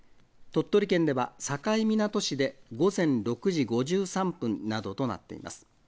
鳥取県では境港市で午前６時５３分などとなっています。